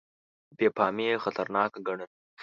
بې پامي یې خطرناکه ګڼله.